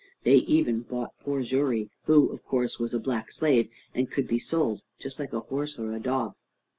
They even bought poor Xury, who, of course, was a black slave, and could be sold just like a horse or a dog.